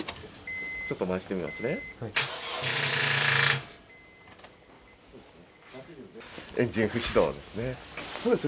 ちょっと回してみますね。